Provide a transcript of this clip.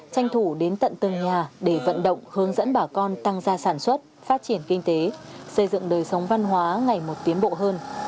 tranh thủ đến tận từng nhà để vận động hướng dẫn bà con tăng gia sản xuất phát triển kinh tế xây dựng đời sống văn hóa ngày một tiến bộ hơn